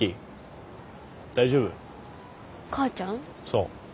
そう。